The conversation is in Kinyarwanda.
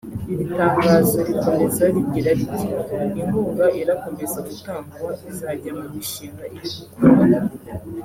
Iri tangazo rikomeza rigira riti “Inkunga irakomeza gutangwa izajya mu mishinga iri gukora ubu